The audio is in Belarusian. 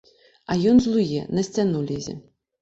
А ён злуе, на сцяну лезе.